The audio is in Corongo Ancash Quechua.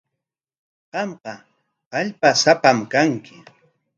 Qamqa kallpasapam kanki.